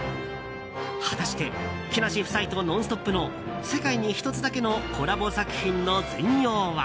果たして、木梨夫妻と「ノンストップ！」の世界に１つだけのコラボ作品の全容は。